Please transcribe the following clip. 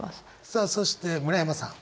さあそして村山さん。